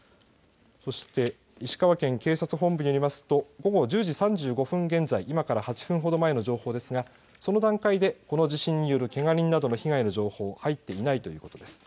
そして石川県警察本部によりますと午後１０時３５分現在いまから８分ほど前の情報ですがその段階で、この地震によるけが人などの被害の情報は入っていないということです。